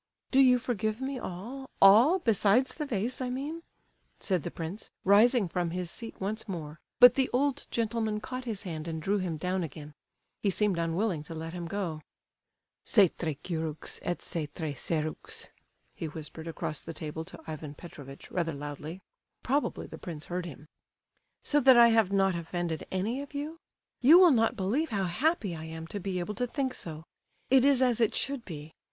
"Do you forgive me all—all, besides the vase, I mean?" said the prince, rising from his seat once more, but the old gentleman caught his hand and drew him down again—he seemed unwilling to let him go. "C'est très curieux et c'est très sérieux," he whispered across the table to Ivan Petrovitch, rather loudly. Probably the prince heard him. "So that I have not offended any of you? You will not believe how happy I am to be able to think so. It is as it should be.